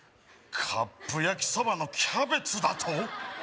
カップ焼きそばのキャベツだと？